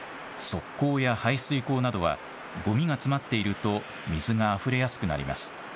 側溝や排水溝などはごみが詰まっていると水があふれやすくなります。